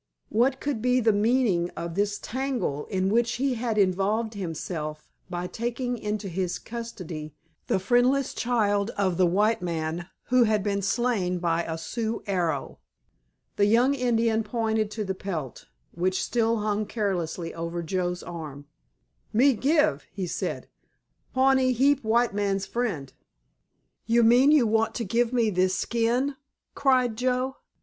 What could be the meaning of this tangle in which he had involved himself by taking into his custody the friendless child of the white man who had been slain by a Sioux arrow! The young Indian pointed to the pelt, which still hung carelessly over Joe's arm. "Me give," he said. "Pawnee heap white man's friend." "You mean you want to give me this skin?" cried Joe.